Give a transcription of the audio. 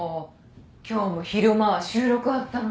今日も昼間は収録あったのに。